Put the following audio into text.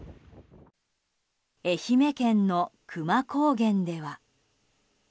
愛媛県の久万高原では。